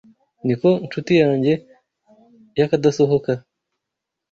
Niko nshuti yanjye yakadasohoka